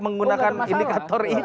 menggunakan indikator itu